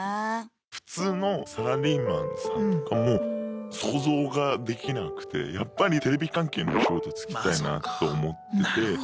普通のサラリーマンさんとかも想像ができなくてやっぱりテレビ関係の仕事つきたいなと思ってて。